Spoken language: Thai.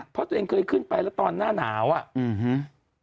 เพราะตัวเองเคยขึ้นไปแล้วตอนหน้าหนาวอ่ะอืม